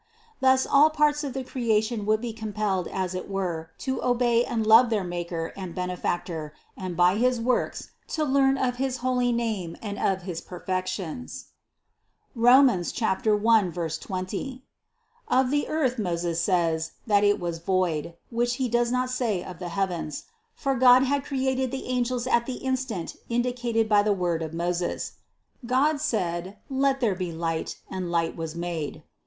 Thus all parts of the creation would be compelled as it were to obey and love their Maker and Benefactor and by his works to learn of his holy name and of his perfections (Rom. 1, 20). 82. Of the earth Moses says, that it was void, which he does not say of the heavens ; for God had created the angels at the instant indicated by the word of Moses: "God said : Let there be light, and light was made."